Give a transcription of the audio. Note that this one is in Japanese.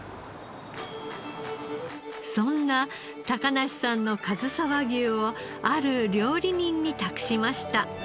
そんな梨さんのかずさ和牛をある料理人に託しました。